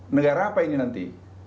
negara apa ini nanti